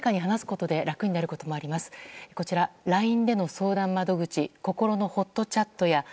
こちら、ＬＩＮＥでの相談窓口こころのほっとチャットやＢＯＮＤ